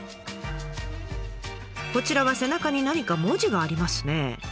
こちらは背中に何か文字がありますね。